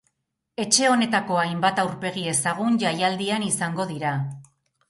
Etxe honetako hainbat aurpegi ezagun jaialdian izango dira.